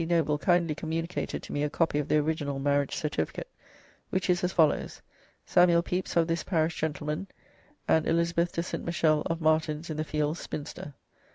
Noble kindly communicated to me a copy of the original marriage certificate, which is as follows: "Samuell Peps of this parish Gent. & Elizabeth De Snt. Michell of Martins in the fields, Spinster.